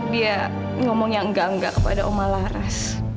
dia ngomong yang enggak enggak kepada oma laras